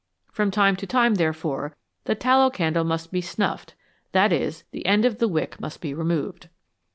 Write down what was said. From time to time, therefore, the tallow candle must be "snuffed"; that is, the end of the wick must be removed.